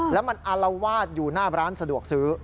แล้วมันอารวาสอยู่หน้าร้านสะดวกซื้อ